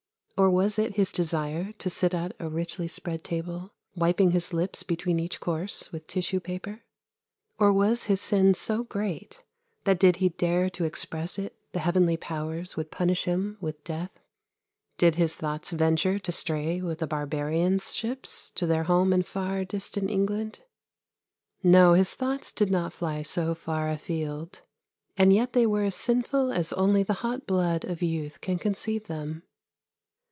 Or was it his desire to sit at a richly spread table, wiping his lips between each course with tissue paper? Or was his sin so great that did he dare to express it the Heavenly powers would punish him with death? Did his thoughts venture to stray with the barbarians' ships to their home in far distant England? No, his thoughts did not fly so far a field, and yet they were as sinful as only the hot blood of youth can conceive them.